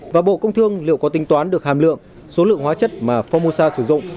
và bộ công thương liệu có tính toán được hàm lượng số lượng hóa chất mà phong mô sa sử dụng